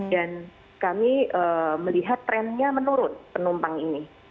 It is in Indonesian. dan kami melihat trennya menurun penumpang ini